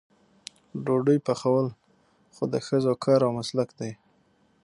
ډوډۍ پخول خو د ښځو کار او مسلک دی.